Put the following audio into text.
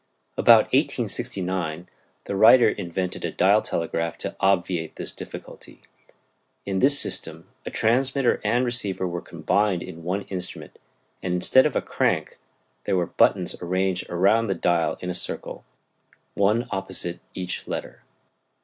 About 1869 the writer invented a dial telegraph to obviate this difficulty. In this system a transmitter and receiver were combined in one instrument, and instead of a crank there were buttons arranged around the dial in a circle, one opposite each letter.